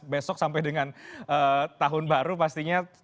besok sampai dengan tahun baru pastinya